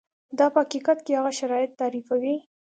دا په حقیقت کې هغه شرایط تعریفوي.